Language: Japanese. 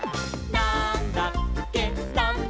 なんだっけ？！」